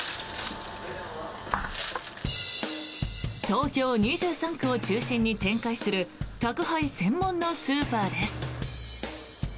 東京２３区を中心に展開する宅配専門のスーパーです。